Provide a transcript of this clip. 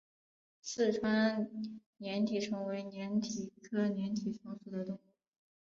四川粘体虫为粘体科粘体虫属的动物。